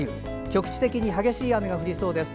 局地的に激しい雨が降りそうです。